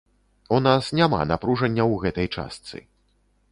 У нас няма напружання ў гэтай частцы.